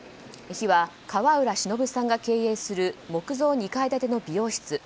火は川浦しのぶさんが経営する木造２階建ての美容室